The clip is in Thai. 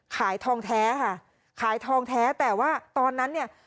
ขายทองแท้ค่ะขายทองแท้แต่ว่าตอนนั้นเนี่ย